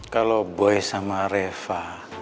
kalau gue sama reva